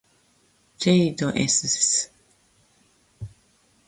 ｊ ど ｓｓ